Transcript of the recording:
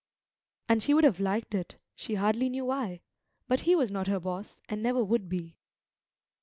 And she would have liked it, she hardly knew why. But he was not her boss, and never would be.